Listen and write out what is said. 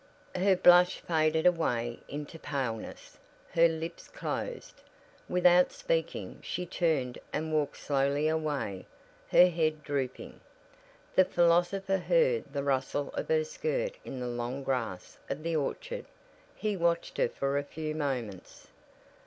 Her blush faded away into paleness; her lips closed. Without speaking, she turned and walked slowly away, her head drooping. The philosopher heard the rustle of her skirt in the long grass of the orchard; he watched her for a few moments.